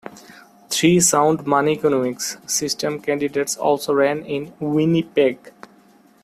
Three Sound Money Economics System candidates also ran in Winnipeg.